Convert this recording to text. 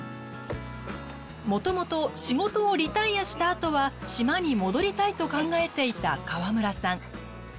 もともと仕事をリタイアしたあとは島に戻りたいと考えていた河村さん。